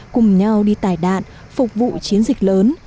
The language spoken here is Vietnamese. cùng nhau đi tải đạn phục vụ chiến dịch lớn